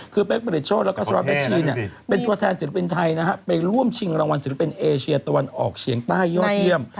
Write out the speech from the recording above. คือเป๊กผลิตโชธแล้วก็สวัสเปชชีเป็นตัวแทนศิลปินไทยนะฮะไปร่วมชิงรางวัลศิลปินเอเชียตะวันออกเฉียงใต้ยอดเยี่ยม